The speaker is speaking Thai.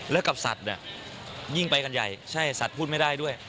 แล้วกับสัตว์เนี่ยยิ่งไปกันใหญ่ใช่สัตว์พูดไม่ได้ด้วย